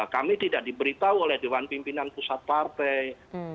kami tidak diberitahu oleh dewan pimpinan pusat partai